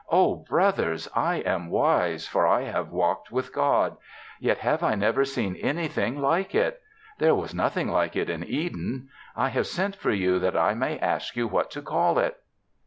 "Oh, brothers, I am wise, for I have walked with God; yet have I never seen anything like it. There was nothing like it in Eden. I have sent for you that I may ask you what to call it."